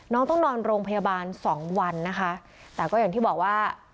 น้องต้องนอนโรงพยาบาลสองวันนะคะแต่ก็อย่างที่บอกว่า